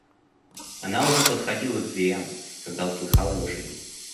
Она уже подходила к дверям, когда услыхала его шаги.